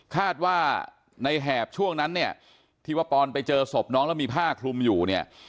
คาดว่าในแหบช่วงนั้นที่วะปอนไปเจอศพน้องแล้วมีผ้าคลุมอยู่